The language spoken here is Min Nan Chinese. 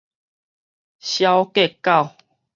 小郭狗